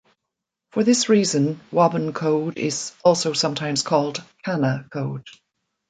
For this reason, Wabun code is also sometimes called Kana code.